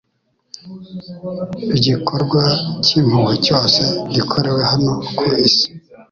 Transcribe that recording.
Igikorwa cy'impuhwe cyose gikorewe hano ku isi,